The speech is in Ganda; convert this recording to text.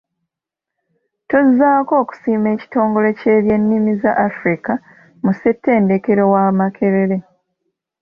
Tuzzaako okusiima ekitongole kye by'ennimi za Africa mu ssettendekero wa Makerere.